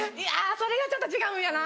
それがちょっと違うんやな！